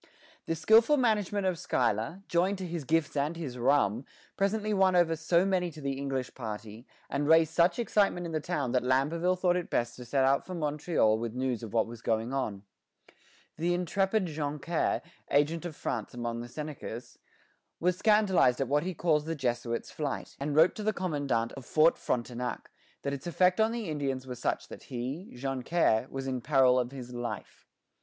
The skilful management of Schuyler, joined to his gifts and his rum, presently won over so many to the English party, and raised such excitement in the town that Lamberville thought it best to set out for Montreal with news of what was going on. The intrepid Joncaire, agent of France among the Senecas, was scandalized at what he calls the Jesuit's flight, and wrote to the commandant of Fort Frontenac that its effect on the Indians was such that he, Joncaire, was in peril of his life.